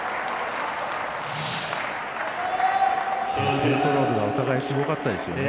コントロールがお互い、すごかったですよね。